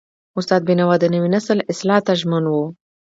استاد بینوا د نوي نسل اصلاح ته ژمن و.